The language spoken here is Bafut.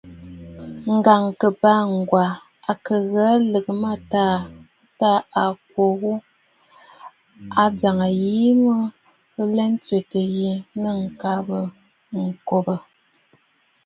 Ŋ̀gàŋkɨbàa Ŋgwa kɨ ghə̀ə lɨ̀gə mâtaa tâ à kwo ghu, a ajàŋə bɨ kɨ̀ lɔ̀ɔ̂ ǹtswètə̂ yi nɨ̂ ŋ̀kabə̀ ŋ̀kòbə̀.